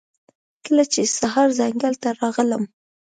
کله چې سهار ځنګل ته راغلم